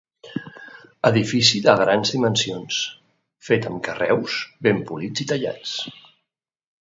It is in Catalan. Edifici de grans dimensions, fet amb carreus ben polits i tallats.